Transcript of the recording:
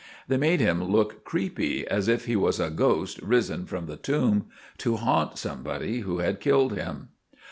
They made him look creepy, as if he was a ghost risen from the tomb to haunt somebody who had killed him.